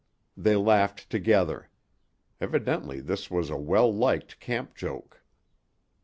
They laughed together. Evidently this was a well liked camp joke.